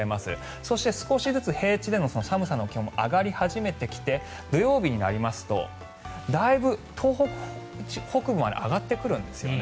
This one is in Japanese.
そして、少しずつ平地での寒さも上がってきて土曜日になりますとだいぶ東北北部まで上がってくるんですよね。